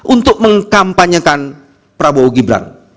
untuk mengkampanyekan prabowo gibran